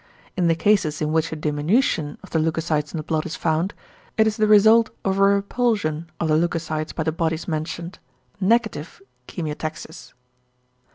In the cases in which a diminution of the leucocytes in the blood is found, it is the result of a repulsion of the leucocytes by the bodies mentioned, =negative chemiotaxis=.